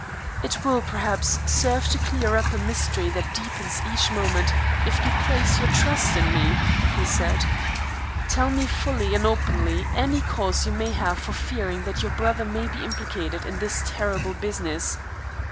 "It will, perhaps, serve to clear up a mystery that deepens each moment if you place your trust in me," he said. "Tell me fully and openly any cause you may have for fearing that your brother may be implicated in this terrible business.